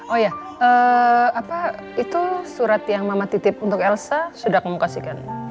oh ya apa itu surat yang mama titip untuk elsa sudah mengkasihkan